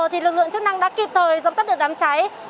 thì lực lượng chức năng đã kịp thời dập tắt được đám cháy